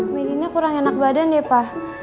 medina kurang enak badan deh pa